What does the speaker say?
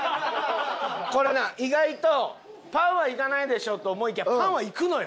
これな意外とパンはいかないでしょと思いきやパンはいくのよ！